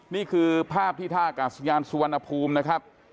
นี่คือภาพที่ท่ากาศยานสุวรรณภูมินะครับ